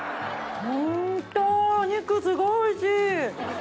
ホントお肉すごいおいしい！